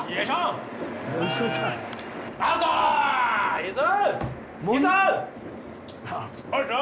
いいぞ！